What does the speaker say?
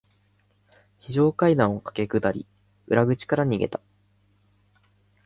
非常階段を駆け下り、裏口から逃げた。